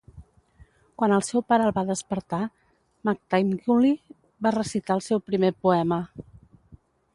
Quan el seu pare el va despertar, Magtymguly va recitar el seu primer poema.